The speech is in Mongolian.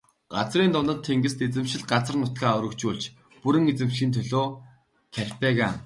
Газрын дундад тэнгист эзэмшил газар нутгаа өргөжүүлж бүрэн эзэмшихийн төлөө Карфаген.